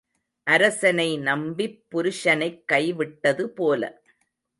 அரசனை நம்பிப் புருஷனைக் கை விட்டது போல.